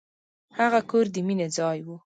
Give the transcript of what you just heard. هغه کور د مینې ځای و.